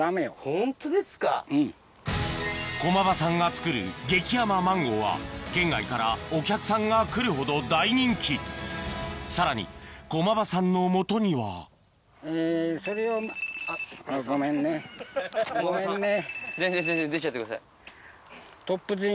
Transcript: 駒場さんが作る激甘マンゴーは県外からお客さんが来るほど大人気さらに駒場さんのもとにはごめんねごめんね。